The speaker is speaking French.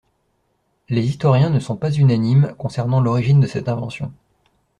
Les historiens ne sont pas unanimes concernant l'origine de cette invention.